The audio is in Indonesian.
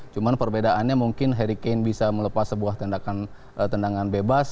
cuma perbedaannya mungkin harry kane bisa melepas sebuah tendangan bebas